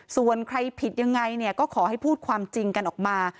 ส่วนใครผิดยังไงเนี่ยก็ขอให้พูดความจริงกันออกมา